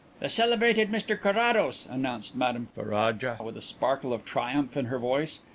"The celebrated Mr Carrados!" announced Madame Ferraja, with a sparkle of triumph in her voice.